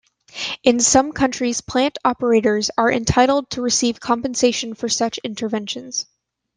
In some countries plant operators are entitled to receive compensation for such interventions.